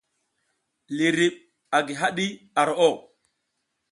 Liriɓ a gi haɗi ar roʼo.